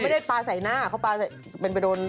ไม่ได้ปลาใส่หน้าเขาปลาใส่เป็นไปโดน